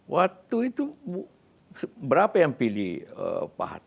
waktu itu berapa yang pilih pahat